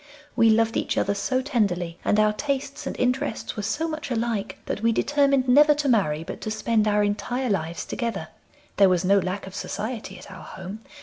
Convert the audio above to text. We loved each other so tenderly, and our tastes and interests were so much alike that we determined never to marry, but to spend our entire lives together. There was no lack of society at our home.